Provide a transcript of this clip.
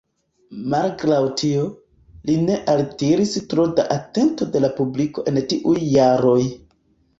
Malgraŭ tio, li ne altiris tro da atento de la publiko en tiuj jaroj.